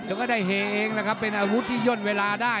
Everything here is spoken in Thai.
แล้วก็ได้เฮเองแหละครับเป็นอาวุธที่ย่นเวลาได้